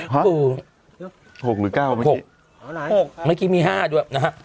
ฮะ๖หรือ๙ไม่ใช่๖ไม่คิดมี๕ด้วยนะฮะ